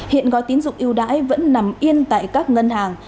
hiện gói tiến dụng ưu đãi vẫn nằm yên tại các ngân hàng